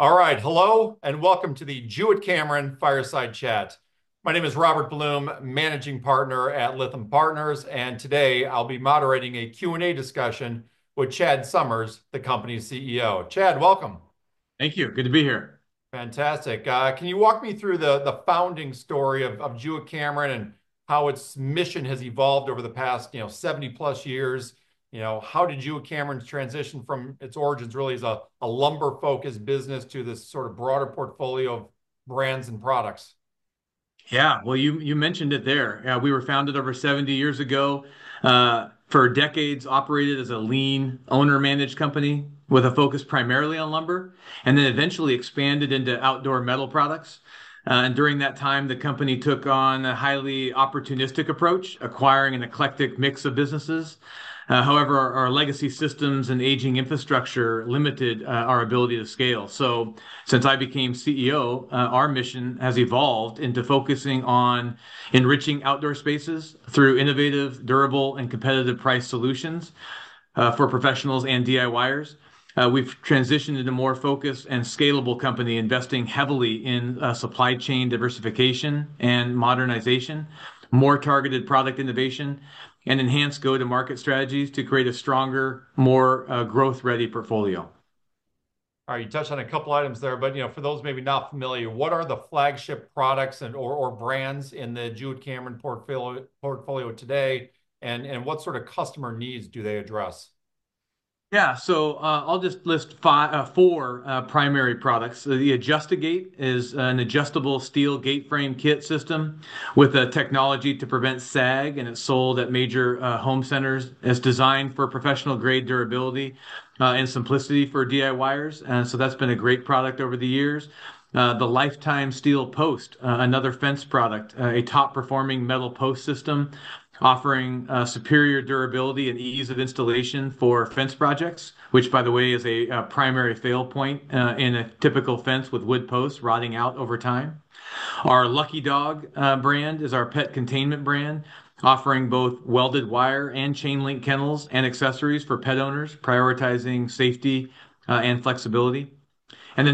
All right, hello and welcome to the Jewett-Cameron Fireside Chat. My name is Robert Blum, Managing Partner at Lytham Partners, and today I'll be moderating a Q&A discussion with Chad Summers, the company's CEO. Chad, welcome. Thank you. Good to be here. Fantastic. Can you walk me through the founding story of Jewett-Cameron and how its mission has evolved over the past 70+ years? How did Jewett-Cameron transition from its origins, really as a lumber-focused business, to this sort of broader portfolio of brands and products? Yeah, you mentioned it there. We were founded over 70 years ago, for decades operated as a lean, owner-managed company with a focus primarily on lumber, and then eventually expanded into outdoor metal products. During that time, the company took on a highly opportunistic approach, acquiring an eclectic mix of businesses. However, our legacy systems and aging infrastructure limited our ability to scale. Since I became CEO, our mission has evolved into focusing on enriching outdoor spaces through innovative, durable, and competitive price solutions for professionals and DIYers. We've transitioned into a more focused and scalable company, investing heavily in supply chain diversification and modernization, more targeted product innovation, and enhanced go-to-market strategies to create a stronger, more growth-ready portfolio. All right, you touched on a couple of items there, but for those maybe not familiar, what are the flagship products or brands in the Jewett-Cameron portfolio today, and what sort of customer needs do they address? Yeah, so I'll just list four primary products. The Adjust-A-Gate is an adjustable steel gate frame kit system with a technology to prevent sag, and it's sold at major home centers. It's designed for professional-grade durability and simplicity for DIYers. That's been a great product over the years. The Lifetime Steel Post, another fence product, a top-performing metal post system offering superior durability and ease of installation for fence projects, which, by the way, is a primary fail point in a typical fence with wood posts rotting out over time. Our Lucky Dog brand is our pet containment brand, offering both welded wire and chain link kennels and accessories for pet owners, prioritizing safety and flexibility.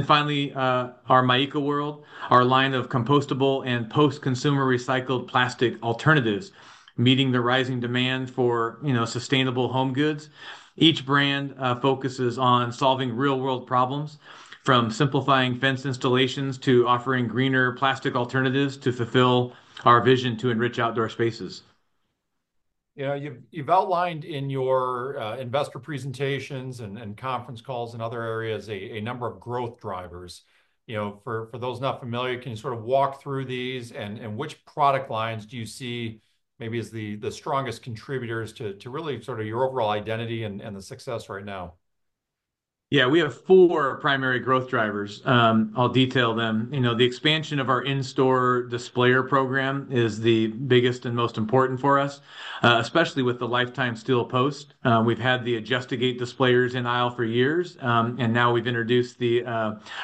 Finally, our MyEcoWorld, our line of Compostable and Post-Consumer Recycled plastic alternatives, meeting the rising demand for sustainable home goods. Each brand focuses on solving real-world problems, from simplifying fence installations to offering greener plastic alternatives to fulfill our vision to enrich outdoor spaces. You've outlined in your investor presentations and conference calls and other areas a number of growth drivers. For those not familiar, can you sort of walk through these and which product lines do you see maybe as the strongest contributors to really sort of your overall identity and the success right now? Yeah, we have four primary growth drivers. I'll detail them. The expansion of our in-store displayer program is the biggest and most important for us, especially with the Lifetime Steel Post. We've had the Adjust-A-Gate displayers in aisle for years, and now we've introduced the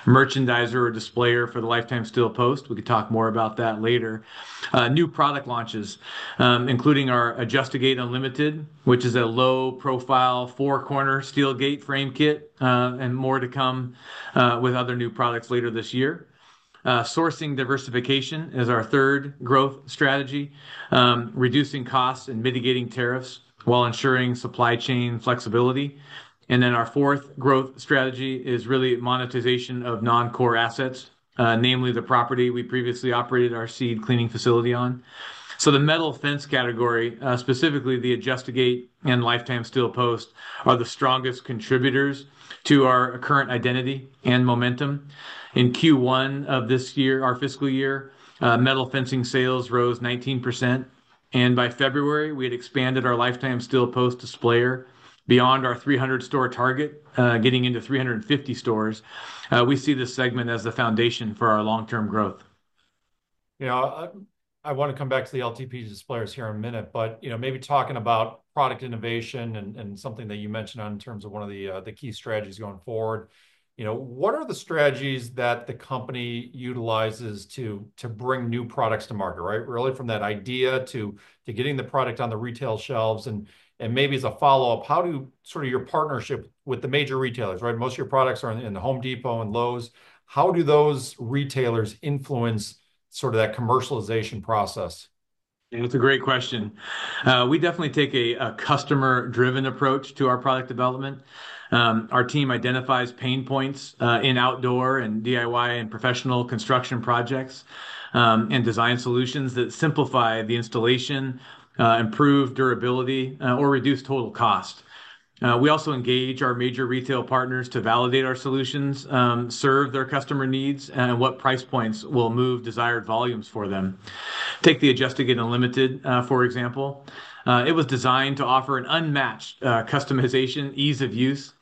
merchandiser displayer for the Lifetime Steel Post. We can talk more about that later. New product launches, including our Adjust‑A‑Gate Unlimited, which is a low-profile four-corner steel gate frame kit, and more to come with other new products later this year. Sourcing diversification is our third growth strategy, reducing costs and mitigating tariffs while ensuring supply chain flexibility. Our fourth growth strategy is really monetization of non-core assets, namely the property we previously operated our seed cleaning facility on. The metal fence category, specifically the Adjust‑A‑Gate and Lifetime Steel Post, are the strongest contributors to our current identity and momentum. In Q1 of this year, our fiscal year, metal fencing sales rose 19%. By February, we had expanded our Lifetime Steel Post displayer beyond our 300-store target, getting into 350 stores. We see this segment as the foundation for our long-term growth. I want to come back to the LTP displayers here in a minute, but maybe talking about product innovation and something that you mentioned in terms of one of the key strategies going forward. What are the strategies that the company utilizes to bring new products to market, right? Really from that idea to getting the product on the retail shelves. Maybe as a follow-up, how do you sort of your partnership with the major retailers, right? Most of your products are in the Home Depot and Lowe's. How do those retailers influence sort of that commercialization process? Yeah, that's a great question. We definitely take a customer-driven approach to our product development. Our team identifies pain points in outdoor and DIY and professional construction projects and design solutions that simplify the installation, improve durability, or reduce total cost. We also engage our major retail partners to validate our solutions, serve their customer needs, and what price points will move desired volumes for them. Take the Adjust‑A‑Gate Unlimited, for example. It was designed to offer an unmatched customization, ease of use,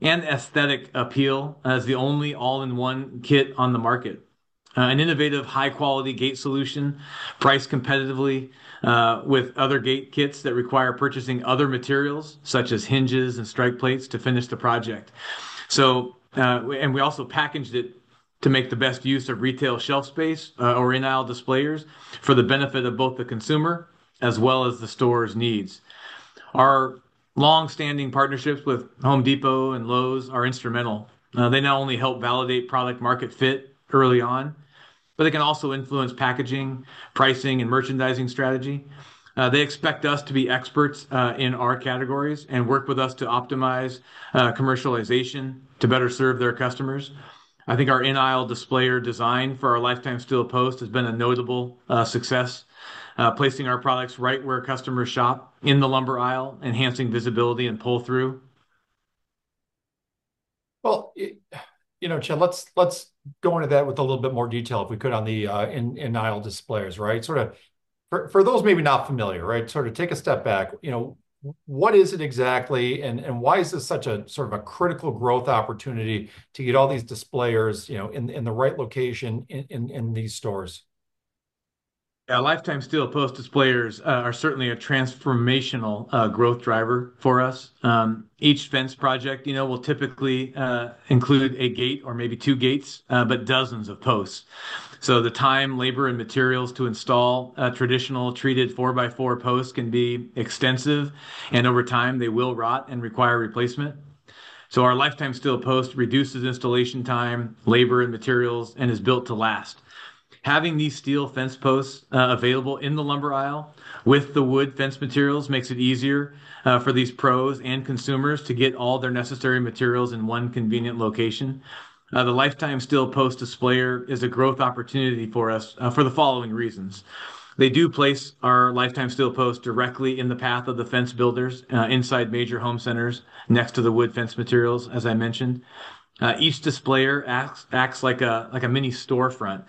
and aesthetic appeal as the only all-in-one kit on the market. An innovative high-quality gate solution priced competitively with other gate kits that require purchasing other materials such as hinges and strike plates to finish the project. We also packaged it to make the best use of retail shelf space or in-aisle displayers for the benefit of both the consumer as well as the store's needs. Our long-standing partnerships with Home Depot and Lowe's are instrumental. They not only help validate product-market fit early on, but they can also influence packaging, pricing, and merchandising strategy. They expect us to be experts in our categories and work with us to optimize commercialization to better serve their customers. I think our in-aisle displayer design for our Lifetime Steel Post has been a notable success, placing our products right where customers shop in the lumber aisle, enhancing visibility and pull-through. Chad, let's go into that with a little bit more detail if we could on the in-aisle displayers, right? Sort of for those maybe not familiar, right? Sort of take a step back. What is it exactly and why is this such a sort of a critical growth opportunity to get all these displayers in the right location in these stores? Yeah, Lifetime Steel Post displayers are certainly a transformational growth driver for us. Each fence project will typically include a gate or maybe two gates, but dozens of posts. The time, labor, and materials to install traditional treated four-by-four posts can be extensive, and over time, they will rot and require replacement. Our Lifetime Steel Post reduces installation time, labor, and materials, and is built to last. Having these steel fence posts available in the lumber aisle with the wood fence materials makes it easier for these pros and consumers to get all their necessary materials in one convenient location. The Lifetime Steel Post displayer is a growth opportunity for us for the following reasons. They do place our Lifetime Steel Post directly in the path of the fence builders inside major home centers next to the wood fence materials, as I mentioned. Each displayer acts like a mini storefront,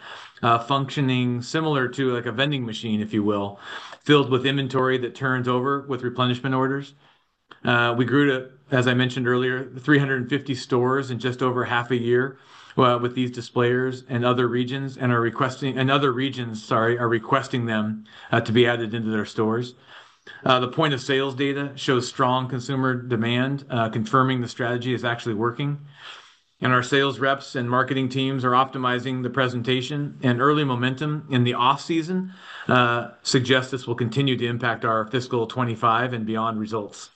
functioning similar to a vending machine, if you will, filled with inventory that turns over with replenishment orders. We grew to, as I mentioned earlier, 350 stores in just over half a year with these displayers and other regions, sorry, are requesting them to be added into their stores. The point of sales data shows strong consumer demand, confirming the strategy is actually working. Our sales reps and marketing teams are optimizing the presentation, and early momentum in the off-season suggests this will continue to impact our fiscal 2025 and beyond results.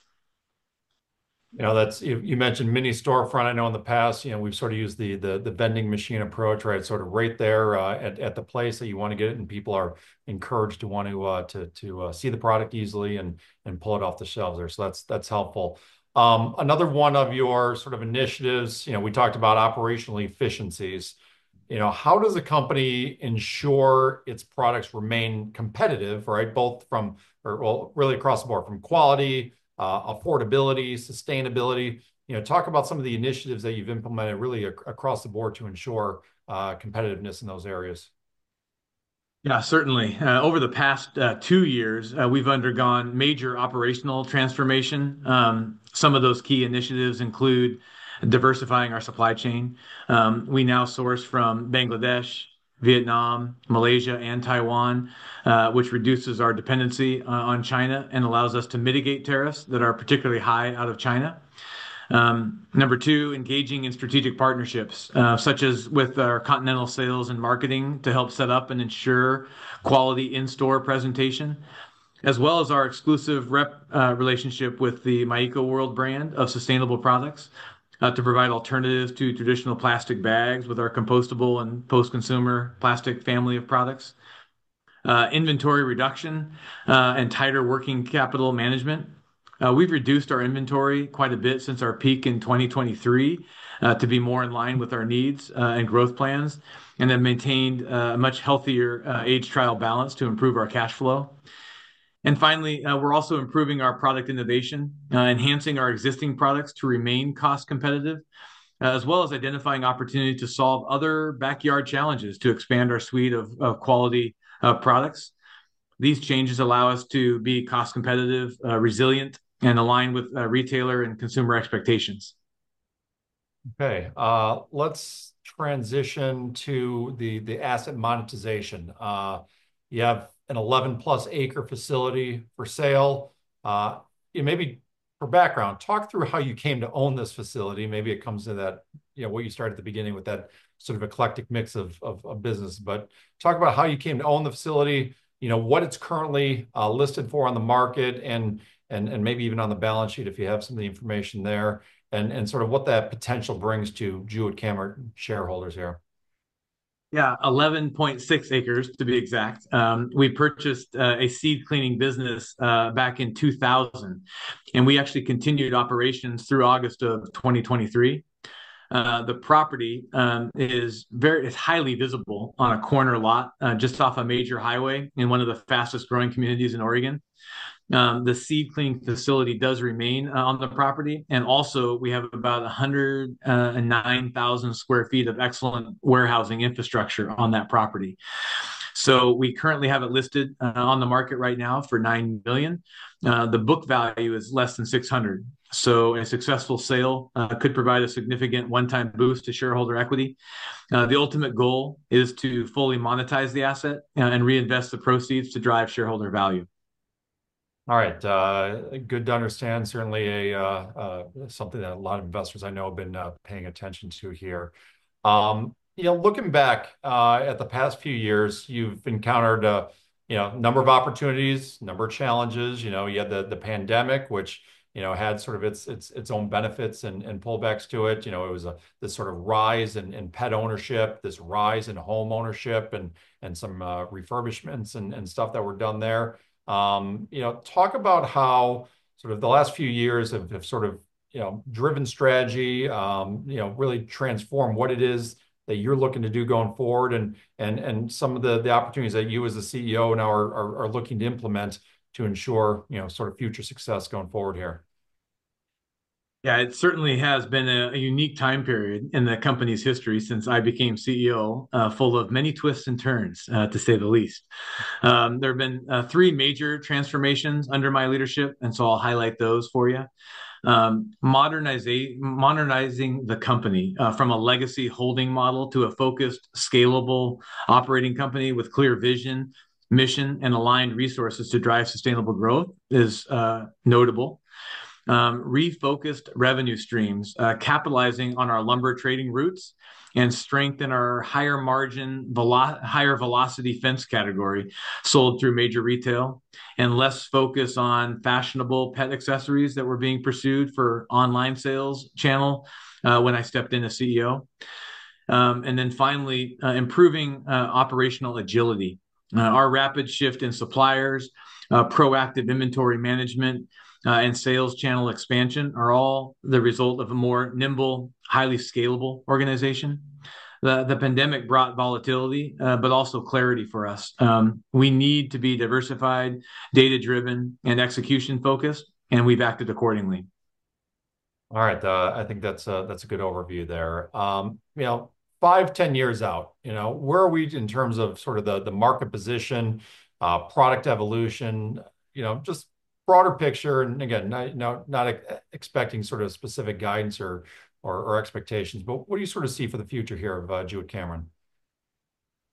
You mentioned mini storefront. I know in the past, we've sort of used the vending machine approach, right? Sort of right there at the place that you want to get it, and people are encouraged to want to see the product easily and pull it off the shelves there. That's helpful. Another one of your sort of initiatives, we talked about operational efficiencies. How does a company ensure its products remain competitive, right? Both from, well, really across the board, from quality, affordability, sustainability? Talk about some of the initiatives that you've implemented really across the board to ensure competitiveness in those areas. Yeah, certainly. Over the past two years, we've undergone major operational transformation. Some of those key initiatives include diversifying our supply chain. We now source from Bangladesh, Vietnam, Malaysia, and Taiwan, which reduces our dependency on China and allows us to mitigate tariffs that are particularly high out of China. Number two, engaging in strategic partnerships, such as with our Continental Sales and Marketing to help set up and ensure quality in-store presentation, as well as our exclusive rep relationship with the MyEcoWorld brand of sustainable products to provide alternatives to traditional plastic bags with our Compostable and Post-Consumer plastic family of products. Inventory reduction and tighter working capital management. We've reduced our inventory quite a bit since our peak in 2023 to be more in line with our needs and growth plans, and then maintained a much healthier aged trial balance to improve our cash flow. Finally, we're also improving our product innovation, enhancing our existing products to remain cost competitive, as well as identifying opportunity to solve other backyard challenges to expand our suite of quality products. These changes allow us to be cost competitive, resilient, and align with retailer and consumer expectations. Okay. Let's transition to the asset monetization. You have an 11+ acre facility for sale. Maybe for background, talk through how you came to own this facility. Maybe it comes to what you started at the beginning with that sort of eclectic mix of business, but talk about how you came to own the facility, what it's currently listed for on the market, and maybe even on the balance sheet if you have some of the information there, and sort of what that potential brings to Jewett-Cameron shareholders here. Yeah, 11.6 acres, to be exact. We purchased a seed cleaning business back in 2000, and we actually continued operations through August of 2023. The property is highly visible on a corner lot just off a major highway in one of the fastest-growing communities in Oregon. The seed cleaning facility does remain on the property, and also we have about 109,000 sq ft of excellent warehousing infrastructure on that property. We currently have it listed on the market right now for $9 million. The book value is less than $600,000. A successful sale could provide a significant one-time boost to shareholder equity. The ultimate goal is to fully monetize the asset and reinvest the proceeds to drive shareholder value. All right. Good to understand. Certainly something that a lot of investors I know have been paying attention to here. Looking back at the past few years, you've encountered a number of opportunities, a number of challenges. You had the pandemic, which had sort of its own benefits and pullbacks to it. It was this sort of rise in pet ownership, this rise in home ownership, and some refurbishments and stuff that were done there. Talk about how sort of the last few years have sort of driven strategy, really transformed what it is that you're looking to do going forward, and some of the opportunities that you as a CEO now are looking to implement to ensure sort of future success going forward here. Yeah, it certainly has been a unique time period in the company's history since I became CEO, full of many twists and turns, to say the least. There have been three major transformations under my leadership, and so I'll highlight those for you. Modernizing the company from a legacy holding model to a focused, scalable operating company with clear vision, mission, and aligned resources to drive sustainable growth is notable. Refocused revenue streams, capitalizing on our lumber trading routes, and strengthen our higher margin, higher velocity fence category sold through major retail, and less focus on fashionable pet accessories that were being pursued for online sales channel when I stepped in as CEO. Finally, improving operational agility. Our rapid shift in suppliers, proactive inventory management, and sales channel expansion are all the result of a more nimble, highly scalable organization. The pandemic brought volatility, but also clarity for us. We need to be diversified, data-driven, and execution-focused, and we've acted accordingly. All right. I think that's a good overview there. Five, ten years out, where are we in terms of sort of the market position, product evolution, just broader picture? Again, not expecting sort of specific guidance or expectations, but what do you sort of see for the future here of Jewett-Cameron?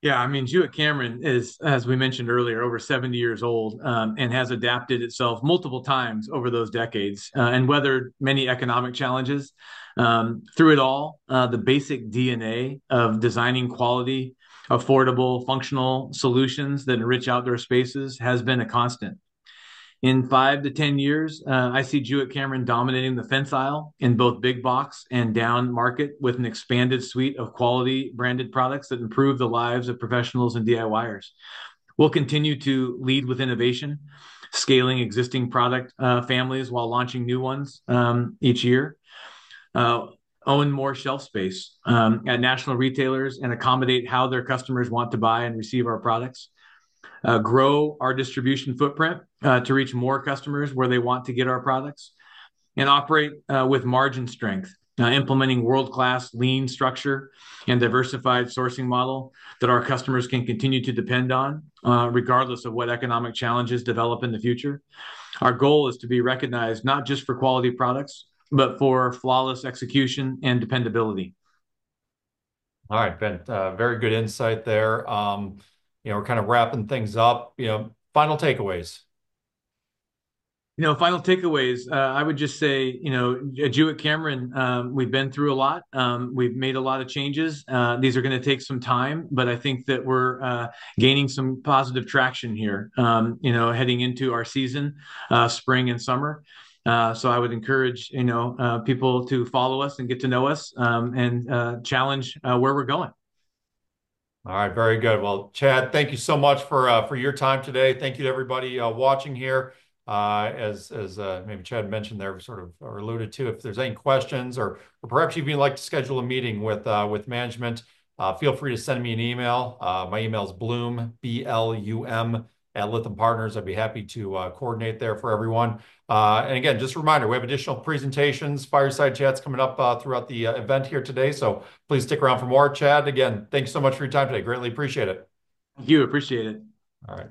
Yeah, I mean, Jewett-Cameron is, as we mentioned earlier, over 70 years old and has adapted itself multiple times over those decades. Weathered many economic challenges. Through it all, the basic DNA of designing quality, affordable, functional solutions that enrich outdoor spaces has been a constant. In five to ten years, I see Jewett-Cameron dominating the fence aisle in both big box and down market with an expanded suite of quality branded products that improve the lives of professionals and DIYers. We'll continue to lead with innovation, scaling existing product families while launching new ones each year. Own more shelf space at national retailers and accommodate how their customers want to buy and receive our products. Grow our distribution footprint to reach more customers where they want to get our products. We operate with margin strength, implementing world-class lean structure and diversified sourcing model that our customers can continue to depend on regardless of what economic challenges develop in the future. Our goal is to be recognized not just for quality products, but for flawless execution and dependability. All right, then. Very good insight there. We're kind of wrapping things up. Final takeaways? Final takeaways, I would just say at Jewett-Cameron, we've been through a lot. We've made a lot of changes. These are going to take some time, but I think that we're gaining some positive traction here heading into our season, spring and summer. I would encourage people to follow us and get to know us and challenge where we're going. All right. Very good. Chad, thank you so much for your time today. Thank you to everybody watching here. As maybe Chad mentioned there, sort of alluded to, if there's any questions or perhaps you'd even like to schedule a meeting with management, feel free to send me an email. My email is Blum, B-L-U-M, at Lytham Partners. I'd be happy to coordinate there for everyone. Again, just a reminder, we have additional presentations, fireside chats coming up throughout the event here today. Please stick around for more. Chad, again, thanks so much for your time today. Greatly appreciate it. Thank you. Appreciate it. All right.